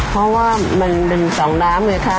เพราะว่ามันเป็น๒น้ำเลยค่ะ